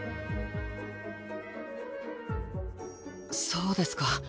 そうですか。